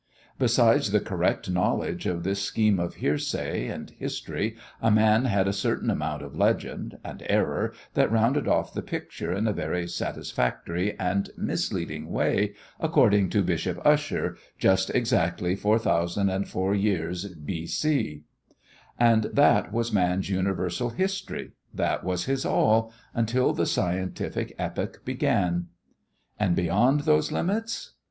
Besides the correct knowledge in this scheme of hearsay and history a man had a certain amount of legend and error that rounded off the picture in a very satisfactory and misleading way, according to Bishop Ussher, just exactly 4004 years B.C. And that was man's universal history that was his all until the scientific epoch began. And beyond those limits